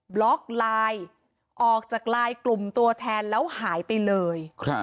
บล็อกไลน์ออกจากไลน์กลุ่มตัวแทนแล้วหายไปเลย